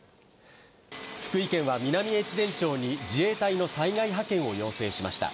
福井県は南越前町に自衛隊の災害派遣を要請しました。